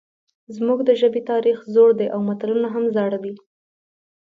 زموږ د ژبې تاریخ زوړ دی او متلونه هم زاړه دي